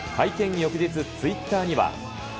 翌日、ツイッターには。